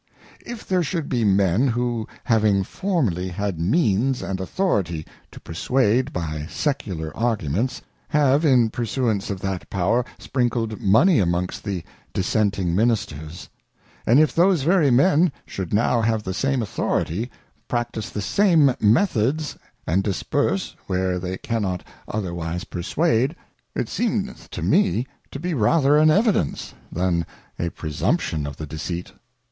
If there should be men who having formerly had Means and Authority to perswade by Secular Arguments, have in pursuance of that Power, sprinkled Money amongst the Dissenting Mini sters ; and if those very men should now have the same Authority, practice the same Methods, and Disburse, where they cannot K 2 otherwise 132 A Letter to a Dissenter. otherwise perswade : It seemeth to me to be rather an Evidence than a Presumption of the Deceit.